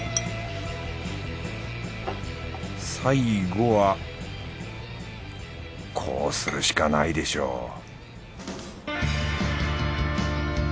最後はこうするしかないでしょう